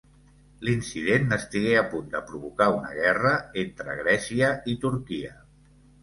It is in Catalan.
L'incident estigué a punt de provocar una guerra entre Grècia i Turquia.